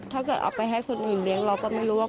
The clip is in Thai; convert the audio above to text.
ถ้าเกิดเอาไปให้คนอื่นเลี้ยงเราก็ไม่รู้ว่า